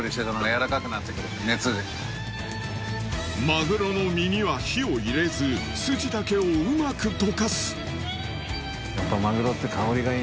マグロの身には火を入れず筋だけをうまく溶かすやっぱ。